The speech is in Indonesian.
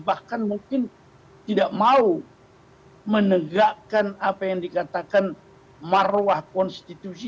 bahkan mungkin tidak mau menegakkan apa yang dikatakan marwah konstitusi